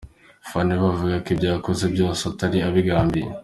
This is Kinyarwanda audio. Fanny we avuga ko ibyo yakoze byose atari abigambiriye.